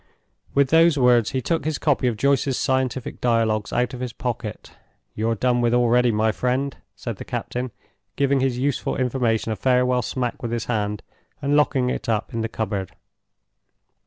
With those words he took his copy of Joyce's Scientific Dialogues out of his pocket. "You're done with already, my friend!" said the captain, giving his useful information a farewell smack with his hand, and locking it up in the cupboard.